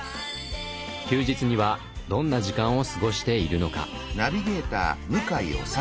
休日にはどんな時間を過ごしているのか。